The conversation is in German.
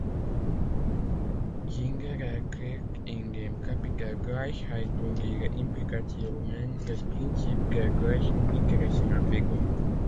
Singer erklärt in dem Kapitel "Gleichheit und ihre Implikationen" das Prinzip der gleichen Interessenabwägung.